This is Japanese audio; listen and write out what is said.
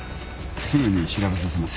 すぐに調べさせます。